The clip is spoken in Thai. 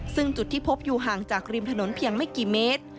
ซึ่งจุดที่พบอยู่ห่างจากริมถนนเพียงไม่กี่เมตร